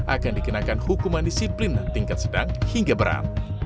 akan dikenakan hukuman disiplin tingkat sedang hingga berat